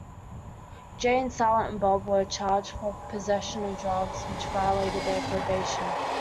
Jay and Silent Bob were charged for possession of drugs, which violated their probation.